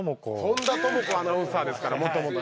本田朋子アナウンサーですから。